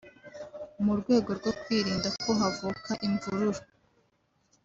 mu rwego rwo kwirinda ko havuka imvururu